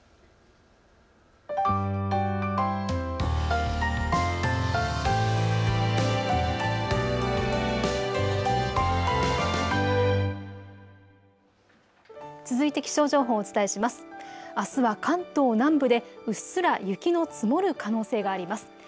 あすは関東南部で、うっすら雪の積もる可能性があります。